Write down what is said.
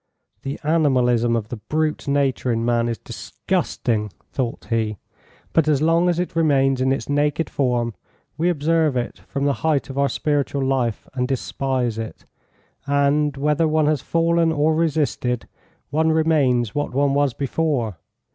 "The animalism of the brute nature in man is disgusting," thought he, "but as long as it remains in its naked form we observe it from the height of our spiritual life and despise it; and whether one has fallen or resisted one remains what one was before.